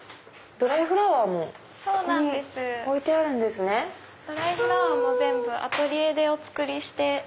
ドライフラワーも全部アトリエでお作りして。